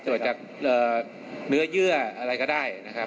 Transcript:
ตรวจจากเนื้อยื้ออะไรก็ได้